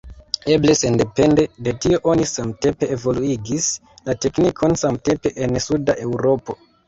Eble sendepende de tio oni samtempe evoluigis la teknikon samtempe en suda Eŭropo.